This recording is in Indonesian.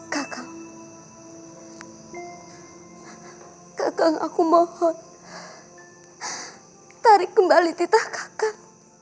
kakak aku mohon tarik kembali titah kakak